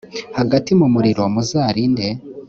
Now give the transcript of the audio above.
hagati mu muriro muzarinde